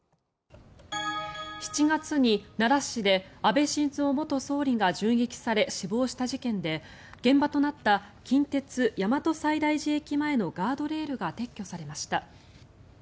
７月に奈良市で安倍晋三元総理が銃撃され死亡した事件で現場となった近鉄大和西大寺駅前のガードレールが撤去されました。